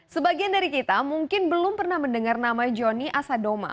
sebagian dari kita mungkin belum pernah mendengar nama johnny asadoma